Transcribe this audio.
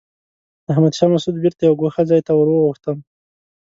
احمد شاه مسعود بېرته یوه ګوښه ځای ته ور وغوښتم.